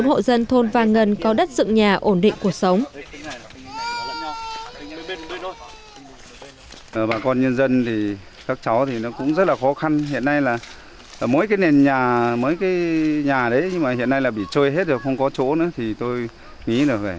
bốn hộ dân thôn vàng ngân có đất dựng nhà ổn định cuộc sống